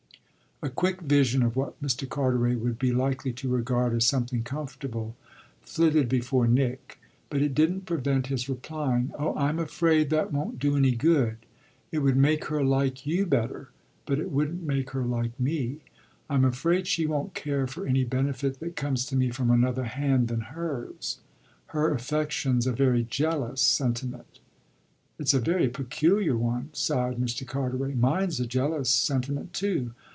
A quick vision of what Mr. Carteret would be likely to regard as something comfortable flitted before Nick, but it didn't prevent his replying: "Oh I'm afraid that won't do any good. It would make her like you better, but it wouldn't make her like me. I'm afraid she won't care for any benefit that comes to me from another hand than hers. Her affection's a very jealous sentiment." "It's a very peculiar one!" sighed Mr. Carteret. "Mine's a jealous sentiment too.